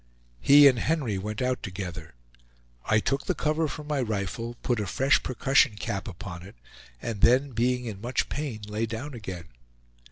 He and Henry went out together. I took the cover from my rifle, put a fresh percussion cap upon it, and then, being in much pain, lay down again.